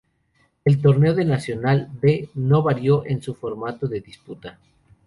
El torneo del Nacional B no varió en su formato de disputa.